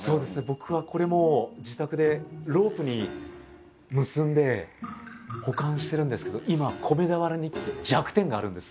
僕はこれも自宅でロープに結んで保管してるんですけど今米俵日記弱点があるんです。